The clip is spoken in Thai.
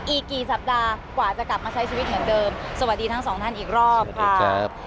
อีกกี่สัปดาห์กว่าจะกลับมาใช้ชีวิตเหมือนเดิมสวัสดีทั้งสองท่านอีกรอบค่ะ